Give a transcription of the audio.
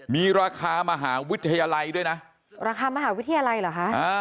มีราคามหาวิทยาลัยด้วยนะราคามหาวิทยาลัยเหรอคะ